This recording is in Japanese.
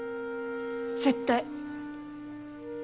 絶対！